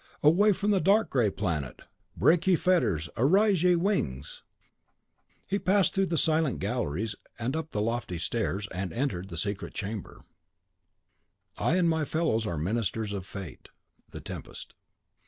Away from the dark grey planet! Break, ye fetters: arise, ye wings!" He passed through the silent galleries, and up the lofty stairs, and entered the secret chamber.... CHAPTER 2.V. I and my fellows Are ministers of Fate. "The Tempest."